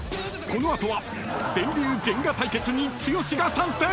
［この後は電流ジェンガ対決に剛が参戦！］